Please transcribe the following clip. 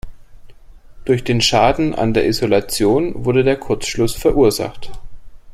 Durch den Schaden an der Isolation wurde der Kurzschluss verursacht.